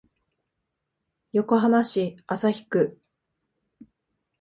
横浜市旭区